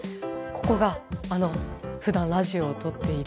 ここがふだんラジオをとっている。